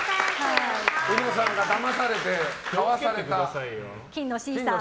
うのさんがだまされて買わされた金のシーサー。